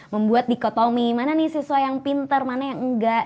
membuat dikotomi mana nih siswa yang pinter mana yang enggak